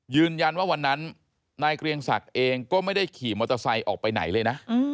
ยืนยันว่าวันนั้นนายเกรียงศักดิ์เองก็ไม่ได้ขี่มอเตอร์ไซค์ออกไปไหนเลยนะ